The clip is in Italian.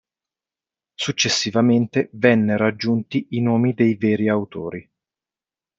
Successivamente vennero aggiunti i nomi dei veri autori.